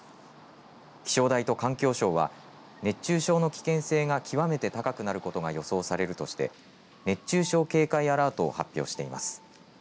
気象台と環境省は熱中症の危険性が極めて高くなることが予想されるとして熱中症警戒アラートを発表しています。